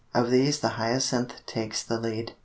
Of these the hyacinth takes the lead.